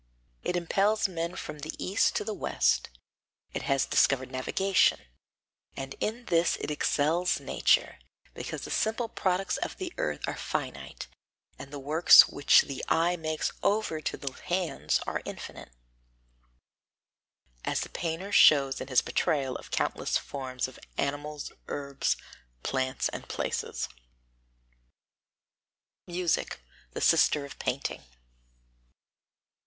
It impels men from the East to the West; it has discovered navigation; and in this it excels nature, because the simple products of the earth are finite and the works which the eye makes over to the hands are infinite, as the painter shows in his portrayal of countless forms of animals, herbs, plants and places. [Sidenote: Music the Sister of Painting] 24.